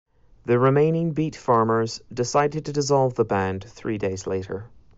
The remaining Beat Farmers decided to dissolve the band three days later.